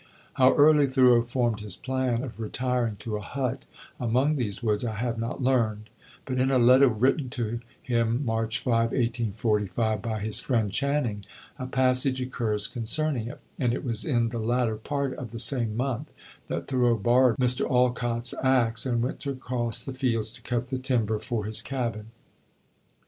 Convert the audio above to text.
How early Thoreau formed his plan of retiring to a hut among these woods, I have not learned; but in a letter written to him March 5, 1845, by his friend Channing, a passage occurs concerning it; and it was in the latter part of the same month that Thoreau borrowed Mr. Alcott's axe and went across the fields to cut the timber for his cabin.